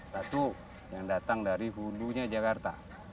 satu yang datang dari hulunya jakarta